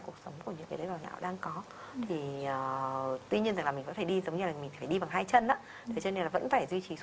cảm ơn bác sĩ